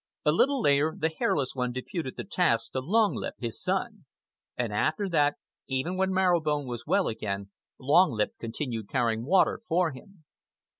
A little later, the Hairless One deputed the task to Long Lip, his son. And after that, even when Marrow Bone was well again, Long Lip continued carrying water for him.